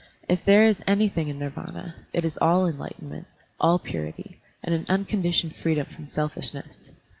If there is anything in Nirvana, it is all enlightenment, all purity, and an unconditioned freedom from selfishness.